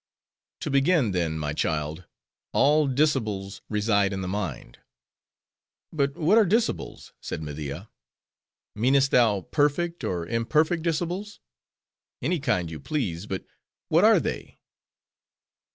"To begin then, my child:—all Dicibles reside in the mind." "But what are Dicibles?" said Media. "Meanest thou, Perfect or Imperfect Dicibles?" Any kind you please;— but what are they?"